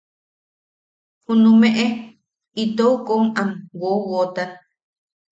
Junumeʼe itou kom am wowotan.